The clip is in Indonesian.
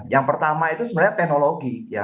yang pertama itu sebenarnya teknologi